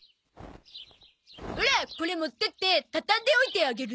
オラこれ持ってって畳んでおいてあげる。